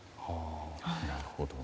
なるほど。